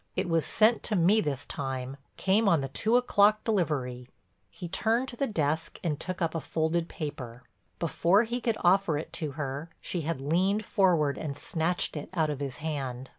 It was sent to me this time—came on the two o'clock delivery." He turned to the desk and took up a folded paper. Before he could offer it to her, she had leaned forward and snatched it out of his hand.